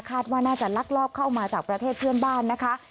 ว่าน่าจะลักลอบเข้ามาจากประเทศเพื่อนบ้านนะคะ